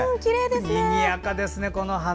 にぎやかですね、この花。